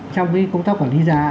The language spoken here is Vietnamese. trong công tác quản lý giá